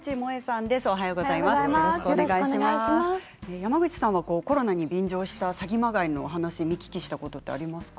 山口さんはコロナに便乗した詐欺まがいの話見聞きしたことありますか。